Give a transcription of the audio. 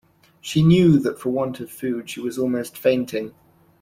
She knew that for want of food she was almost fainting.